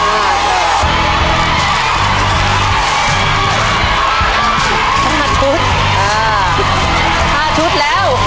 เวลาเริ่มเดินไปแล้ว